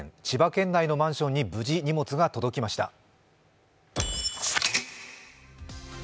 千葉県内のマンションに無事荷物が届きました。